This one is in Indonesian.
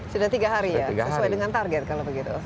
sudah tiga hari ya sesuai dengan target kalau begitu